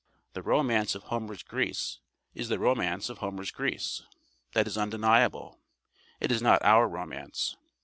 The romance of Homer's Greece is the romance of Homer's Greece. That is undeniable. It is not our romance.